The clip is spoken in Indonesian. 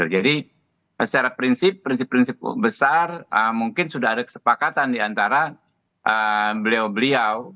jadi secara prinsip prinsip besar mungkin sudah ada kesepakatan di antara beliau beliau